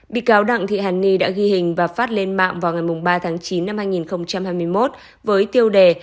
bị cáo đặng thị hàn ni đã ghi hình và phát lên mạng vào ngày ba tháng chín năm hai nghìn hai mươi một với tiêu đề